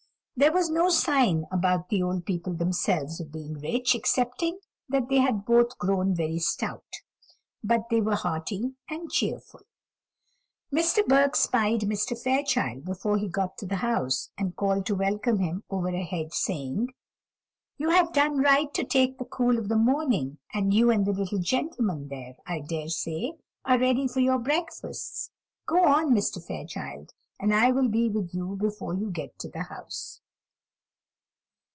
There was no sign about the old people themselves of being rich, excepting that they had both grown very stout; but they were hearty and cheerful. Mr. Burke spied Mr. Fairchild before he got to the house, and called to welcome him over a hedge, saying: "You have done right to take the cool of the morning; and you and the little gentleman there, I dare say, are ready for your breakfasts. Go on, Mr. Fairchild, and I will be with you before you get to the house."